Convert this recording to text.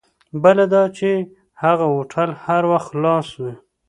بله دا چې هغه هوټل هر وخت خلاص وي.